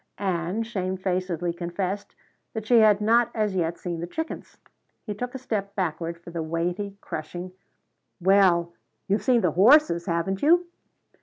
Ann shamefacedly confessed that she had not as yet seen the chickens. He took a step backward for the weighty, crushing: "Well, you've seen the horses, haven't you?"